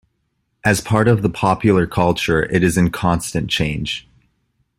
As part of the popular culture it is in constant change.